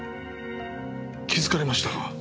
気づかれましたか。